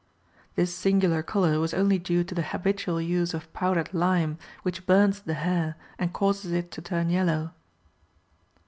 This singular colour was only due to the habitual use of powdered lime, which burns the hair and causes it to turn yellow.